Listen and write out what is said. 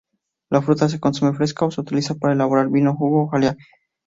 La fruta se consume fresca, o se utiliza para elaborar vino, jugo y jalea.